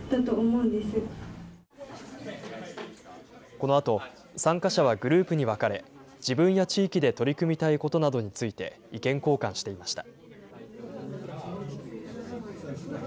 このあと参加者はグループに分かれ、自分や地域で取り組みたいことなどについて意見交換していました。